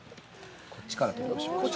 こっちから取りましょう。